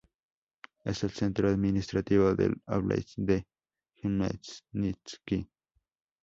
Es el centro administrativo del Óblast de Jmelnitski.